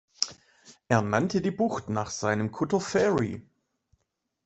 Er nannte die Bucht nach seinem Kutter „"Fairy"“.